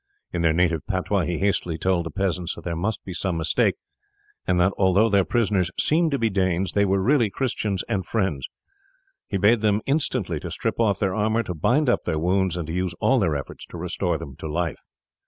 In their native patois he hastily told the peasants that there must be some mistake, and that although their prisoners seemed to be Danes they were really Christians and friends. He bade them then instantly to strip off their armour, to bind up their wounds, and to use all their efforts to restore them to life.